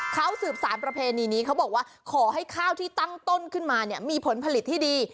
เขาสืบสารประเพณีนี้เขาบอกว่าขอให้ข้าวที่ตั้งต้นขึ้นมาเนี่ยมีผลผลิตที่ดี